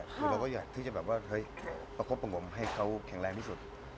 เราก็อยากที่จะประคบบังคมให้เขาแข็งแรงที่สุด